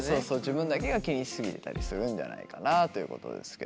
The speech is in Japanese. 自分だけが気にし過ぎてたりするんじゃないかなということですけども。